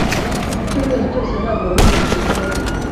Icyumweru cyose ntabwo numvise Tom.